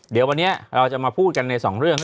เดี๋ยววันนี้เราจะมาพูดกันในสองเรื่อง